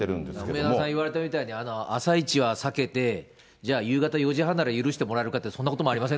梅沢さん言われたみたいに、朝一は避けて、じゃあ、夕方４時半なら許してもらえるかって、そうやで。